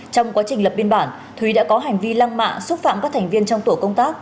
trong quá trình lập biên bản thúy đã có hành vi lăng mạ xúc phạm các thành viên trong tổ công tác